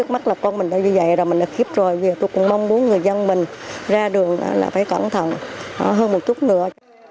mất đi chỗ nương tựa